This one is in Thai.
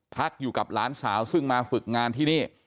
พักอยู่กับหลานสาวซึ่งมาฝึกงานที่นี่